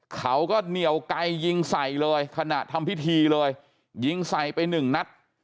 เขาก็เหนียวไกลยิงใส่เลยขณะทำพิธีเลยยิงใส่ไปหนึ่งนัด